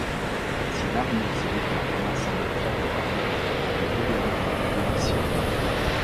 Si l’armée se déclare dans l'ensemble favorable, le gouvernement démissionne.